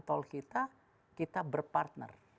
tol kita kita berpartner